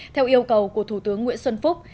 theo yêu cầu của thủ tướng nguyễn xuân phúc